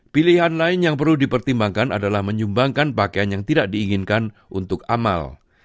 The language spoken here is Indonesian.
pilihan lain yang perlu dipertimbangkan adalah menyumbangkan pakaian yang tidak diinginkan untuk amal